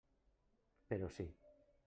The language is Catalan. Però sí.